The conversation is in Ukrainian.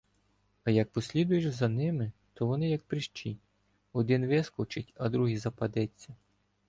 А як послідкуєш за ними, то вони як прищі — один вискочить, а другий западеться.